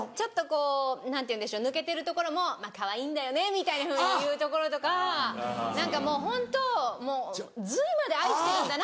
こう何て言うんでしょう抜けてるところもまぁかわいいんだよねみたいなふうに言うところとか何かもうホントもう髄まで愛してるんだなっていう。